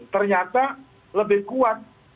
ternyata lebih kuat